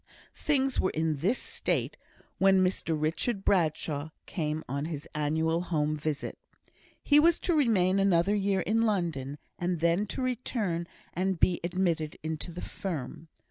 Things were in this state when Mr Richard Bradshaw came on his annual home visit. He was to remain another year in London, and then to return and be admitted into the firm.